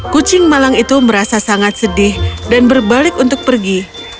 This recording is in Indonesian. kucing malang itu merasa sangat sedih dan berbalik untuk pergi